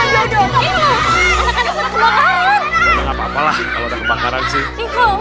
ya gak apa apa lah kalau ada kebakaran sih